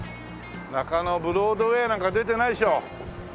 中野ブロードウェイなんか出てないでしょ。